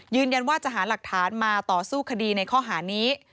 ยืนยันว่าจะหาหลักฐานมาต่อสู้คดีในข้อหานี้